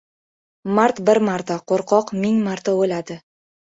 • Mard bir marta, qo‘rqoq ming marta o‘ladi.